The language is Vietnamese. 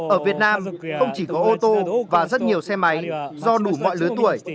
ở việt nam không chỉ có ô tô và rất nhiều xe máy do đủ mọi lứa tuổi